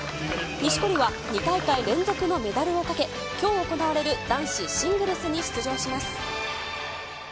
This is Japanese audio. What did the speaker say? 錦織は２大会連続のメダルをかけ、きょう行われる男子シングルスに出場します。